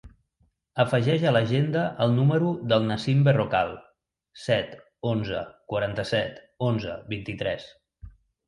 Afegeix a l'agenda el número del Nassim Berrocal: set, onze, quaranta-set, onze, vint-i-tres.